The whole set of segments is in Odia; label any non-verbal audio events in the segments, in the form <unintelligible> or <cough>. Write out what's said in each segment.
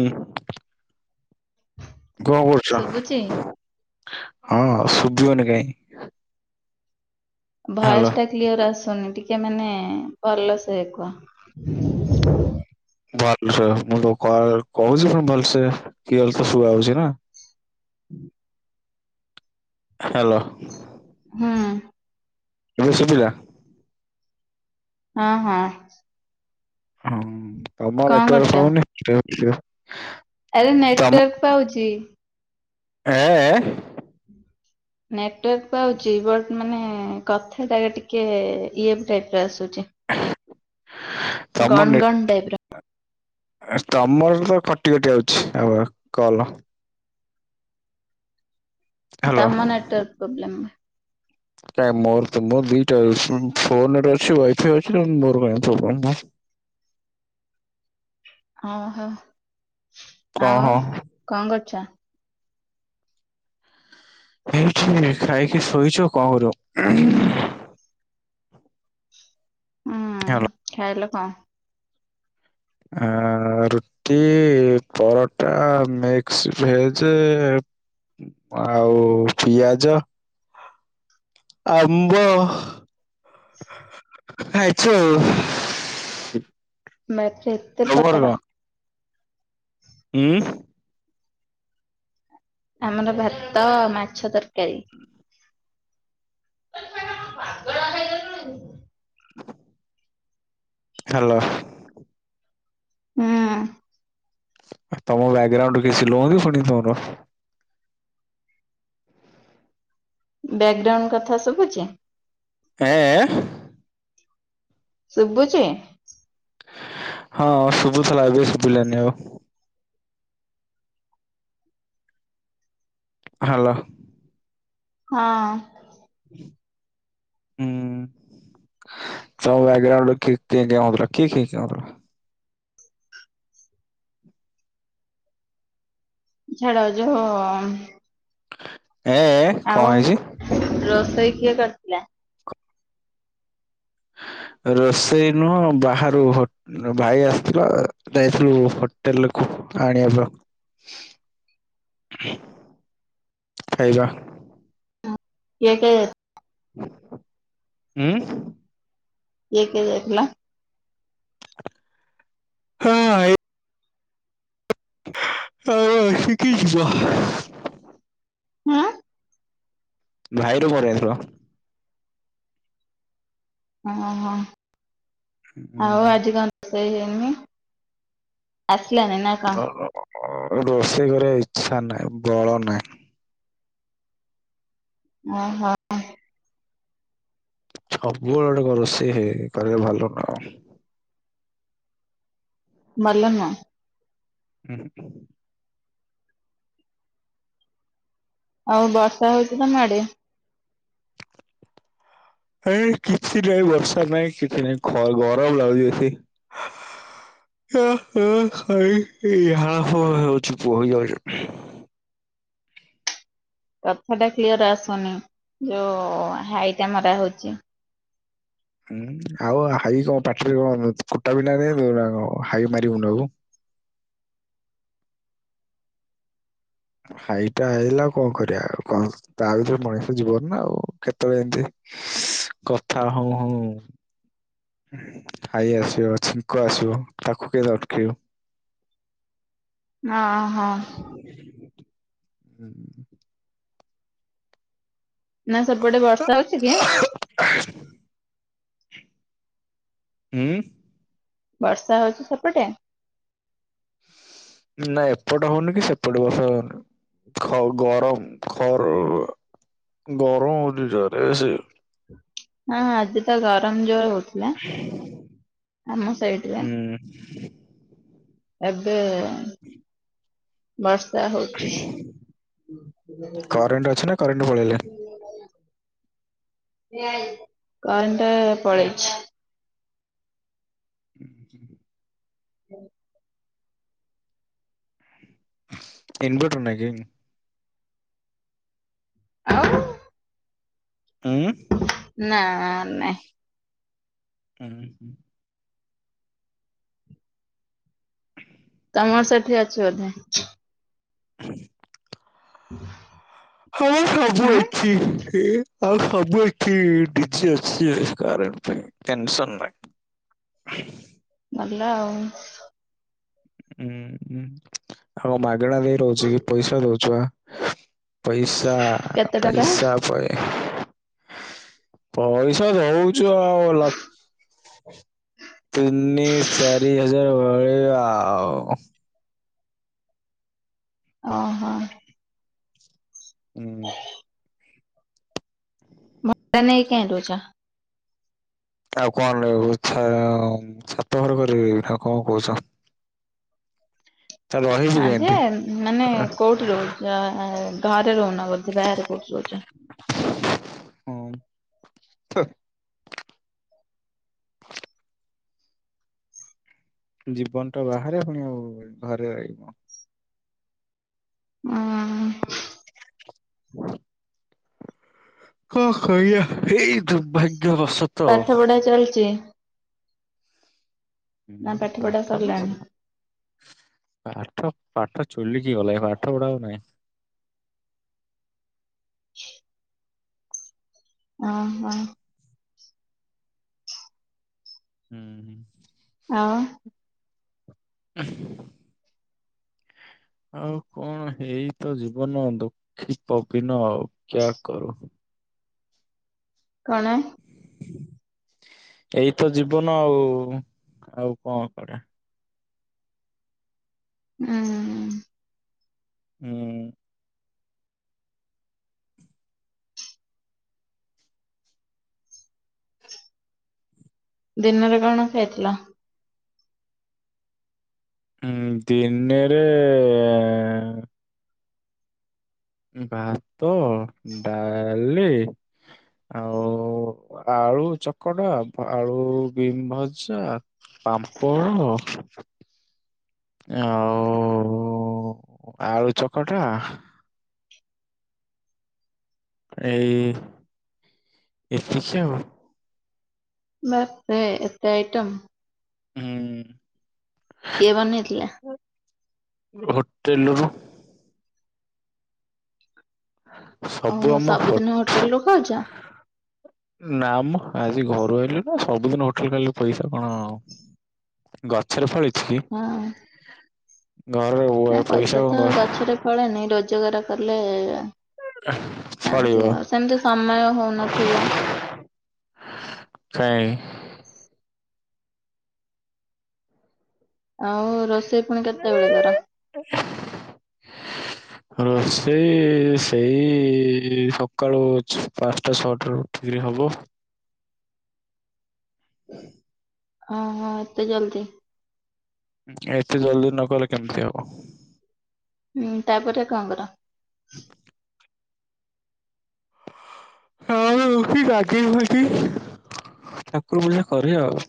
ହ କଣ କଛ ଶୁଭୁଛି? ହଁ ଶୁଭିବନି କାଇ ଭୟସ ହ୍ୟାଲୋ। ଟା କ୍ଲିୟର ଆସୁନି ଟିକେ ମାନେ ଭଲସ କୁହ ଭଲସେ ମୁଁ ତ କ କହୁଛି ଭଲସେ କି ତ ଶୁଆାଉଛି ନା ହୁଁ <inaudible> ହ୍ୟାଲୋ ହୁଁ ଏବେ ଶୁଭିଲା ହଁ ହଁ ହଁ ତମ କଣ ନେଟୱାର୍କ କରୁଛ? ପାଉନି <unintelligible> ଆରେ ତମ ନେଟୱାର୍କ ପାଉଛି ଏ ଏ ନେଟୱାର୍କ ପାଉଚି ବଟ୍ ମାନେ କଥାଟା ଟିକେ ଇଏ ଟାଇପ୍ ର ଆସୁଚି। ତମ ନେ ଗଣ ଟାଇପ୍ ର ତମର ତ କଟି କଟି ଆଉଚି ଆଉ ଆ କଲ। ହ୍ୟାଲୋ। ତମ ନେଟୱର୍କ୍ ପ୍ରୋବ୍ଲେମ୍। ନାଇଁ ମୋର ତ ମୋ ଦିଟା ଉଁ ଫୋନ୍ ରେ ଅଛି ୱାଇଫାଇ ଅଛି ନ ମୋର କାଇଁ ପ୍ରୋବଲମ। ଅହ କଣ ଆଉ ହଁ କଣ କରୁଚ? ଏଇଠି ଖାଇକି ସୋଇଛୁ ଆଉ କଁ କରିବୁ? ଉଁ ଖାଇଲ କଁ? ଆ ଆ ରୁଟି ପରଟା ମିକ୍ସ ଭେଜେ। ଆଉ ପିଆଜ। ଆମ୍ବ। ଖାଇଛୁ ଆଉ। ମା ଏଥିରେ ଏତେ ତମର କଣ ପ୍ରକାର? ଉଁ? ଆମର ଭାତ ମାଛ ତରକାରୀ। ସ୍ୱଚ୍ଛା ଗଣ ପାଗଳ ହେଇଗଲୁଣି? <inaudible> ହାଲୋ। ହୁଁ। ତମ ବ୍ୟାଗ୍ରାଉଣ୍ଡୁ କିଏ ଚିଲଉଚି ଫୁଣି ତମର। ବ୍ୟାଗ୍ରାଉଣ୍ଡ କଥା ସବୁଚି? ଏ ଏ? ଶୁବୁଚି? ହଁ ଶୁବୁଥୁଲା ଏବେ ଶୁବିଲାନି ଆଉ। ହାଲୋ। ହଁ। ହୁଁ। ତମ ବ୍ୟାଗ୍ରାଉଣ୍ଡ ରେ କିଏ କେଁ କେଁ ହଉଥୁଲା କିଏ କେଉଁ କେଁ ହଉଥୁଲା? ଝାଡ଼ ଯୋଉ ଏଁ ଏଁ? ଆଉ ରୋଷେଇ କିଏ କରିଥିଲା? ରୋଷେଇ ନୁହଁ ବାହାରୁ ହ ଭାଇ ଆସିଥିଲା ଯାଇଥିଲୁ ହୋଟେଲ୍ କୁ ଆଣିଆବ। <inaudible> ଖାଇବା। କିଏ ସେ ଉଁ? କିଏ କିଏ ଯାଇଥିଲ? ହଁ ଏ ଅ କିଏ କିଏ ଯିବ? ହାଁ? ଭାଇର ମୋର ଆଇଥିଲ। ଓହୋ ଆଉ ହୁଁ। ଆଜି କଣ ରୋଷେଇ ହେଇନି? ଆସିଲାନି ନାଁ କଣ? ରୋଷେଇ କରିବା ଇଚ୍ଛା ନାହିଁ ବଳ ନାହିଁ। ଓହ। ସବୁବେଳେ ଗୋଟେ କ ରୋଷେଇରେ କରିବା ଭଲ ନାଁଉ? ଭଲ ନା? ହୁଁ ହୁଁ। ଆଉ ବର୍ଷା ହୋଉଛି ତମ ଆଡ଼େ? କାଇଁ କିଛି ନାହିଁ ବର୍ଷା ନାହିଁ କିଛି ନାହିଁ ଖ ଗରମ୍ ଲାଗୁଛି ବେଶୀ। <inaudible> କଥା ଟା କ୍ଲିଅର୍ ଆସୁନି ଯୋଉ ହାଇଟା ମରା ହୋଉଛି। ହୁଁ ଆଉ ହାଇ କଣ ପାଟିରେ କଣ କୁଟା ବିଣ୍ଡା ଦେଇ ଦବୁ ନା କଣ ହାଇ ମାରିବୁନୁ ଆଉ। ହାଇ ଟା ଆଇଲା କଣ କରିବା ଆଉ କଣ। ତା ଭିତରେ ମଣିଷ ଜୀବନ ନା ଆଉ କେତେବେଳେ ଏମତି କଥା ହଉ ହଉଁ ହାଇ ଆସିବ ଛିଙ୍କ ଆସିବ ତାକୁ କେନ୍ତି ଅଟକେଇବୁ। ହଁ ହଁ। <unintelligible> ନା ସେପଟେ ବର୍ଷା ହୋଉଛି କି ଆଁ? ହୁଁ। ବର୍ଷା ହୋଉଛି ସେପଟେ? ନା ଏପଟେ ହୋଉନି କି ସେପଟେ ବର୍ଷା ହୋଉନି। ଖ ଗରମ୍ ଖର୍ ଗରମ୍ ହୋଉଛି ଜୋରେ ସେ ହଁ ଆଜି ତ ଗରମ୍ ଜୋରେ ହୋଉଥିଲା ଆମ ସାଇଡ୍ ରେ। <unintelligible> ଏବେ <inaudible> ବର୍ଷା ହୋଉଛି। କରେଣ୍ଟ ଅଛି ନା କରେଣ୍ଟ ପଳେଇଲା କରେଣ୍ଟ ପଳେଇଛି। ଉଁ ହୁଁ ହୁଁ। <unintelligible> ଇନଭଟର୍ ନାହିଁ କି? ଆଉ। ଉଁ ନାଁ ନାହିଁ। ଉଁହୁ। ତମର୍ ସେଠି ହୋଇଛି ବୋଧେ? <unintelligible> <inaudible> ହହଁ ସବୁ ହଁ ଅଛି ଏ ଆଉ ସବୁ ଅଛି ଡିଜେ ଅଛି କାରଣ ପାଇଁ। ଟେନସନ୍ ନାହିଁ। ଭଲ ଆଉ। ଉଁ ହୁଁ ଆଉ କଣ ମାଗେଣା ଦେଇକି ରହୁଛି କି ପଇସା ଦୋଉଛୁ ପା। ପଇସା କେତେ ଟଙ୍କା ପଇସା ପା ଏ। ପଇସା ଦୋଉଚୁ ଆଉ ଲକ୍ ତିନି ଚାରି ହଜାର ଭଳିଆ ଆଉ। ଅ ହଁ। ହୁଁ। ପଇସା ନେଇକି କେନ୍ତି ଦୋଉଛ? ଆଉ କଣ ଲଗେଇବୁ ଇଚ୍ଛା ଅ ଉଁ ଛାତ ଘର କରିବି ନା ଆଉ କଣ କହୁଛ? ତା ରହିବି ହଁ ଯେ କେମିତି? ମାନେ କଣ କୋଉଠି ରହୁଚ ଆଁ ଘରେ ରହୁନ ବୋଧେ ବାହାରେ କୋଉଠି ରହୁଚ? ହୁଁ ଥୁ। ଜୀବନ ଟା ବାହାରେ ପୁଣି ଆଉ ଘରେ ରହିବ। ହଁ। କଣ କରିବା ଏଇ ଦୁର୍ଭାଗ୍ୟବଶତ ପାଠ ପଢା ଚାଲିଚି। ହୁଁ ନା ପଢା ପାଠ ନା ସରିଲାଣି? <unintelligible> ପାଠ ପାଠ ଚୁଲିକି ଗଲାଇଁ ପାଠ ପଢା ଆଉ ନାହିଁ। ଅ ହ। ହୁଁ ହୁଁ। ଆଉ ଅ ଆଉ କଣ ହେଇ ତ ଜୀବନ ଦୁଃଖୀ ପବିନ ଆଉ କ୍ୟା କରୁ। କଣ? ଏଇ ତ ଜୀବନ ଆଉ ଆଉ କଣ କରିଆ? ହୁଁ। ହୁଁ। ଦିନରେ କଣ ଖାଇଥିଲ? ଉଁ ଦିନେରେ ଭାତ, ଡାଲି ଆଉ ଆଳୁ ଚକଟା ପ ଆଳୁ ବିମ ଭଜା ପାମ୍ପଡ ଆଉ ଆଳୁ ଚକଟା ତାପରେ ଏତିକି ଆଉ। ବାଃ ଏ ଏତେ ଆଇରମ୍! ହୁଁ କିଏ ବନେଇଥିଲା? ଗୋଟେ ହୋଟେଲରୁ ମ ସବୁ ଓହୋ ଆମ ହୋ ସବୁଦିନ ହୋଟେଲରୁ ଖାଉଛ? ନା ମ ଆଜି ଘରୁ ଆଇଲି ନା ସବୁଦିନ ହୋଟେଲ ରୁ ଖାଇଲେ ପଇସା କଣ ଗଛରେ ଫଳିଛି କି? ହଁ। ଘରରେ <unintelligible> ପଇସା କଣ ଗ <unintelligible> ନାଇଁ ରୋଜଗାର ତାଲେ ଫଳିବ ଏମିତି ଆଉ ସେମିତି ସମୟ ହଉନଥିବ? କାଇଁ! ଆଉ ରୋଷେଇ ଫୁଣି କେତେବେଳେ କର? ରୋଷ ହ ରୋଷେଇ ସେଇ ସକାଳୁ ଛଅ ପାଞ୍ଚଟା ଛଅଟାରୁ ଉଠିକିରି ହବ। ହୁଁ ଅ ହଁ ଏତେ ଜଲଦି? ଉଁ ଏତେ ଜଲଦି ନ କଲେ କେମିତି ହବ? ହୁଁ ତାପରେ କଣ କର? ହଁ ହଉଛି ଆଜି ବି ହଉଚି ଠାକୁର ପୂଜା କରିଆ ଆଉ।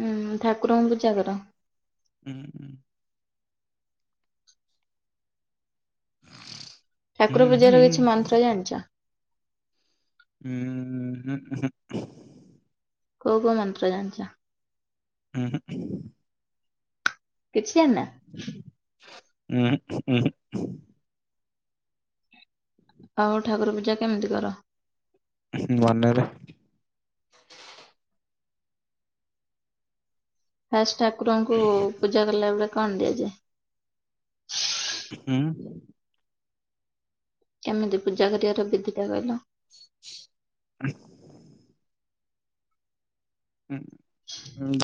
ହୁଁ ଠାକୁରଙ୍କୁ ପୂଜା କର? ହୁଁ ହୁଁ। ଠାକୁର ପୂଜାର କିଛି ମନ୍ତ୍ର ଜାଣିଛ? ଉଁ ହୁଁ ଉହୁଁ। କୋଉ କୋଉ ମନ୍ତ୍ର ଜାଣିଚ? ଉଁ ହୁଁ। କିଛି ଜାଣିନ? ଉହୁଁ ଉହୁଁ। ଆଉ ଠାକୁର ପୂଜା କେମିତି କର? ମନେରେ। ଫାଷ୍ଟ ଠାକୁରଙ୍କୁ ପୂଜା କଲା ବେଳେ କଣ ଦିଆଯାଏ? ହୁଁ। କେମିତି ପୂଜା କରିବାର ବିଧି ଟା କହିଲ। ହଁ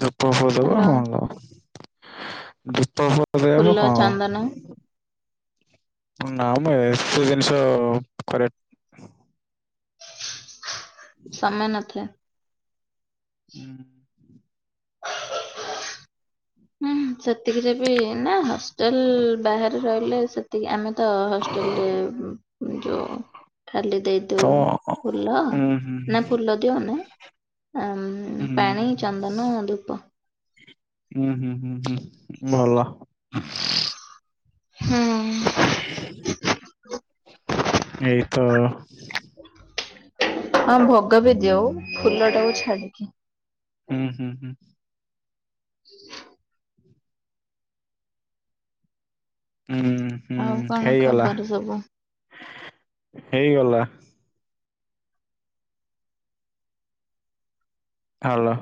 ଧୂପ ଫୁପ ଦବ ହାଲୋ କଣ <unintelligible> ଫୁଲ ଚନ୍ଦନ <unintelligible> ନା ମୁଁ ଏୁ ଜିନିଷ କରେ ସମୟ ନଥାଏ। ହୁଁ। ହୁଁ ସେତିକିରେ ବି ନା ହଉ। ହଷ୍ଟେଲ ବାହାରେ ରହିଲେ ସେତିକି ଆମେ ତ ହଷ୍ଟେଲରେ ଯଉ ଖାଲି ତ ଦେଇଦଉ ଫୁଲ ହୁଁ ହୁଁ ନା ଫୁଲ ଦିଅ ନା ଆ ହୁଁ ପାଣି ଚନ୍ଦନ ଧୂପ। ହୁଁ ହୁଁ ହୁଁ ହୁଁ ଭଲ। ହୁଁ। ଏଇ ତ ହଁ ଭୋଗ ବି ଦିଅଉ ଫୁଲ ଟାକୁ ଛାଡିକି। ହୁଁ ହୁଁ ହୁଁ। ହଁ ହୁଁ ହୁଁ ଆଉ କଣ ହେଇଗଲା ଖବର ସବୁ? ହେଇଗଲା। ହାଲୋ।